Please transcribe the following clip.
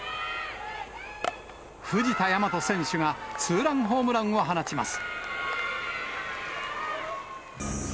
藤田倭選手がツーランホームランを放ちます。